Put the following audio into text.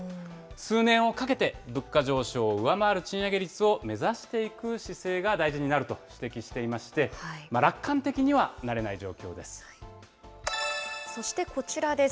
数年をかけて、物価上昇を上回る賃上げ率を目指していく姿勢が大事になると指摘していまして、楽観的にはなれない状況です。